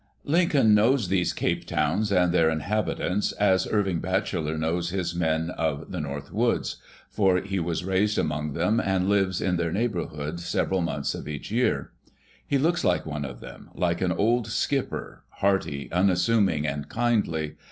I^incoln knows these Cape towns and their inhabitants as Irving Bacheller knows his men of the North Woods, for he was raised among them and lives in their neighborhood several months of each year. He looks like one of them, like an old skipper, hearty, unassuming and kindly.